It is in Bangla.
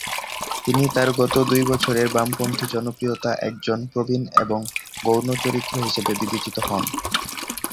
তিনি তার গত দুই বছরে বামপন্থী জনপ্রিয়তার একজন প্রবীণ এবং গৌণ চরিত্র হিসাবে বিবেচিত হন।